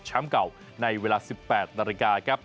เก่าในเวลา๑๘นาฬิกาครับ